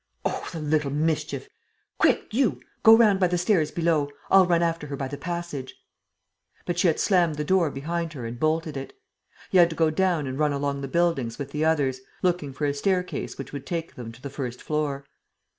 "Oh, the little mischief! Quick, you! ... Go round by the stairs below. I'll run after her by the passage." But she had slammed the door behind her and bolted it. He had to go down and run along the buildings with the others, looking for a staircase which would take them to the first floor.